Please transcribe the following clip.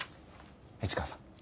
市川さん。